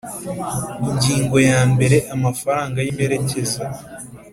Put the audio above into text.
Ingingo ya mbere Amafaranga y imperekeza